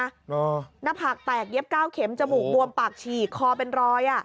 หรอหน้าผากแตกเย็บเก้าเข็มจมูกบวมปากฉีกคอเป็นรอยอ่ะ